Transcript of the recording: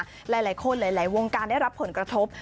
หลายคนหลายวงการได้รับผลกระทบ